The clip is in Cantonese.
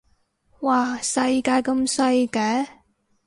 嘩世界咁細嘅